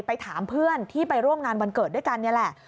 ถามเพื่อนที่ไปร่วมงานวันเกิดด้วยกันนี่แหละ